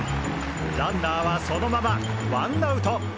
ランナーはそのままワンアウト！